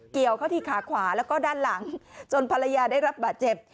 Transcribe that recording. เกี่ยวเข้าที่ขาขวาแล้วก็ด้านหลังจนภรรยาได้รับบาดเจ็บ